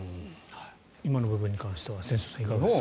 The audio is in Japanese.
今の部分に関しては千正さん、いかがですか。